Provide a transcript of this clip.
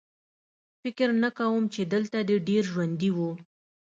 فکر نه کوم چې دلته دې ډېر ژوندي وو